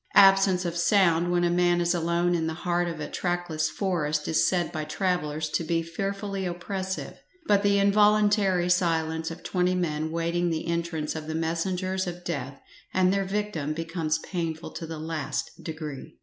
Absence of sound when a man is alone in the heart of a trackless forest is said by travellers to be fearfully oppressive, but the involuntary silence of twenty men waiting the entrance of the messengers of death and their victim becomes painful to the last degree.